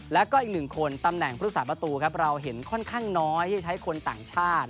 แล้วก็อีกหนึ่งคนตำแหน่งพุทธศาสประตูครับเราเห็นค่อนข้างน้อยที่จะใช้คนต่างชาติ